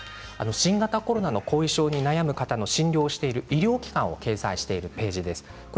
新型コロナの後遺症で悩む方の診療をしている医療機関を掲載しているページです。